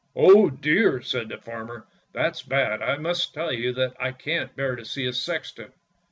"Oh, dear!" said the farmer; "that's bad! I must tell you that I can't bear to see a sexton!